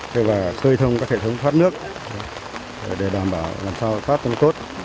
cây thông các hệ thống phát nước để đảm bảo làm sao phát thông tốt